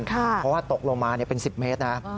เพราะว่าตกลงมาเป็น๑๐เมตรนะ